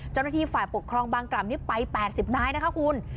เจ้าหน้าที่ฝ่าปกครองบังกลำมนี่ไปแปดสิบน้ายนะคะคุณ